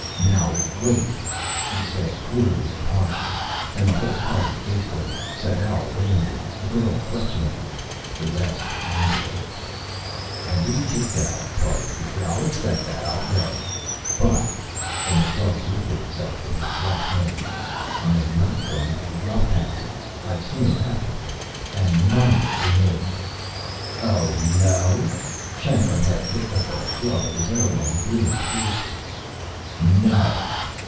"Now wait," he said clearly and harshly, and the whole party faced him Sadau wanly, the girl questioningly, the rest angrily. "I'm to be kicked out," Parr repeated. "I'll accept that. I'll go. But," and the club lifted itself in his right hand, "I'm not going to be rough housed. I've seen it happen here, and none of it for me." "Oh, no?" Shanklin had picked up a club of his own, and grinned fiercely. "No.